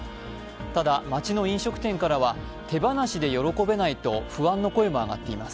ただ待ちの飲食店からは手放しで喜べないと不安の声も上がっています。